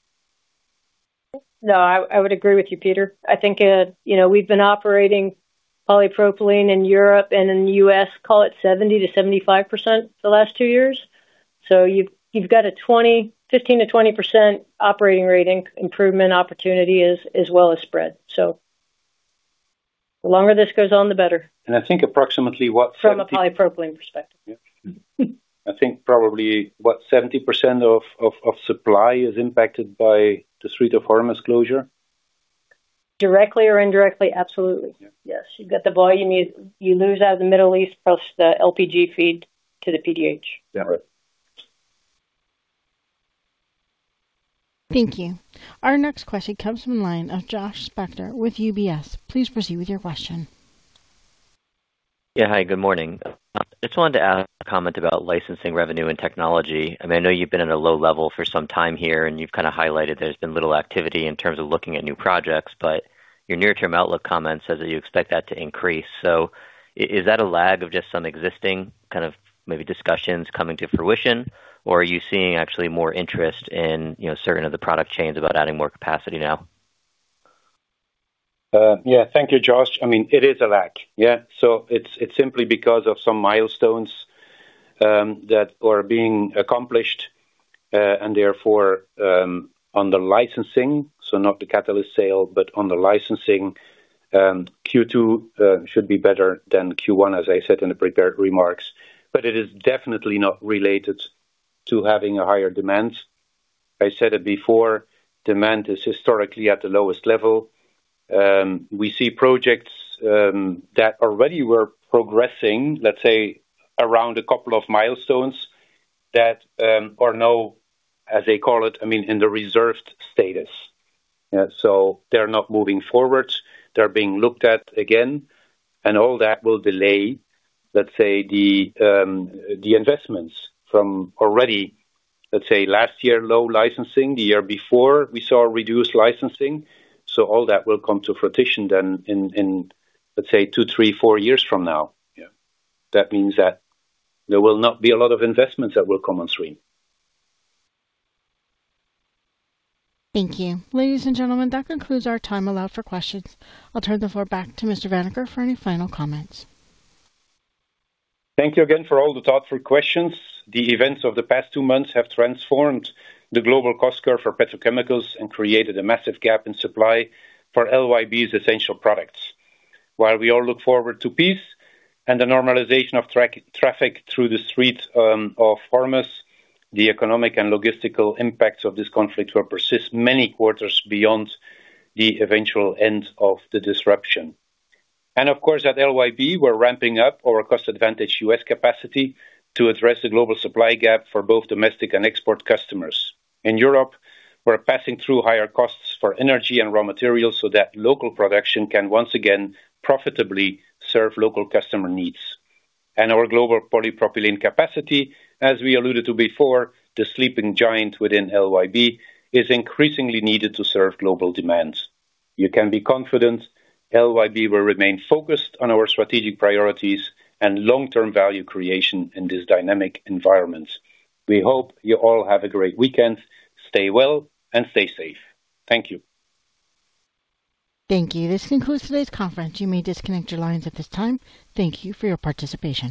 I would agree with you, Peter. I think, you know, we've been operating polypropylene in Europe and in the U.S., call it 70%-75% the last two years. You've got a 20%, 15%-20% operating rating improvement opportunity as well as spread. The longer this goes on, the better. I think approximately what 70- From a polypropylene perspective. Yeah. I think probably what 70% of supply is impacted by the Strait of Hormuz's closure. Directly or indirectly, absolutely. Yeah. Yes. You've got the volume you lose out of the Middle East plus the LPG feed to the PDH. Yeah. Right. Thank you. Our next question comes from the line of Josh Spector with UBS. Please proceed with your question. Hi, good morning. Just wanted to ask a comment about licensing revenue and technology. I mean, I know you've been at a low level for some time here, and you've kinda highlighted there's been little activity in terms of looking at new projects, but your near-term outlook comments says that you expect that to increase. Is that a lag of just some existing kind of maybe discussions coming to fruition, or are you seeing actually more interest in, you know, certain other product chains about adding more capacity now? Thank you, Josh. I mean, it is a lag. It's simply because of some milestones that are being accomplished, and therefore, on the licensing, so not the catalyst sale, but on the licensing, Q2 should be better than Q1, as I said in the prepared remarks. It is definitely not related to having a higher demand. I said it before, demand is historically at the lowest level. We see projects that already were progressing, let's say around a couple of milestones that are now, as they call it, I mean, in the reserved status. They're not moving forward. They're being looked at again, and all that will delay, let's say the investments from already, let's say, last year, low licensing. The year before we saw reduced licensing. All that will come to fruition then in, let's say two, three, four years from now. Yeah. That means that there will not be a lot of investments that will come on stream. Thank you. Ladies and gentlemen, that concludes our time allowed for questions. I'll turn the floor back to Peter Vanacker for any final comments. Thank you again for all the thoughtful questions. The events of the past two months have transformed the global cost curve for petrochemicals and created a massive gap in supply for LYB's essential products. While we all look forward to peace and the normalization of traffic through the Strait of Hormuz, the economic and logistical impacts of this conflict will persist many quarters beyond the eventual end of the disruption. Of course, at LYB, we're ramping up our cost advantage U.S. capacity to address the global supply gap for both domestic and export customers. In Europe, we're passing through higher costs for energy and raw materials so that local production can once again profitably serve local customer needs. Our global polypropylene capacity, as we alluded to before, the sleeping giant within LYB, is increasingly needed to serve global demands. You can be confident LYB will remain focused on our strategic priorities and long-term value creation in this dynamic environment. We hope you all have a great weekend. Stay well and stay safe. Thank you. Thank you. This concludes today's conference. You may disconnect your lines at this time. Thank you for your participation.